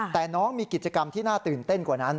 แต่น้องมีกิจกรรมที่น่าตื่นเต้นกว่านั้น